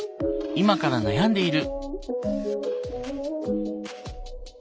今から悩んでいる。